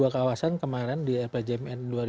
dua puluh dua kawasan kemarin di lpjm